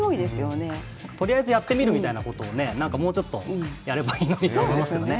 とりあえずやってみるみたいなことをもうちょっとやればいいのに。